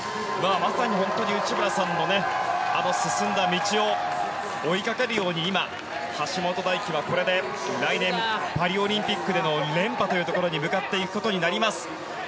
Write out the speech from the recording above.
まさに本当に内村さんの進んだ道を追いかけるように今、橋本大輝は、これで来年パリオリンピックでの連覇に向かっていくことになります。